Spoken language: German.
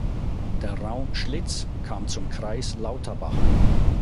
Der Raum Schlitz kam zum Kreis Lauterbach.